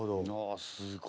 あすごい。